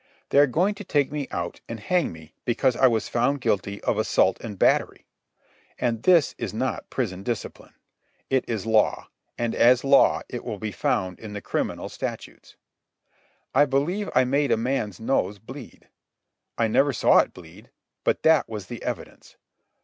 They are going to take me out and hang me because I was found guilty of assault and battery. And this is not prison discipline. It is law, and as law it will be found in the criminal statutes. I believe I made a man's nose bleed. I never saw it bleed, but that was the evidence.